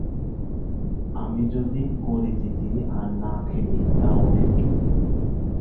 আমি যদি কড়ি জিতে আর না খেলি তা ওদের কি?